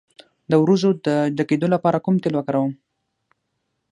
د وروځو د ډکیدو لپاره کوم تېل وکاروم؟